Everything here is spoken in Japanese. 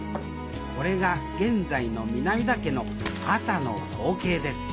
これが現在の南田家の朝の光景です。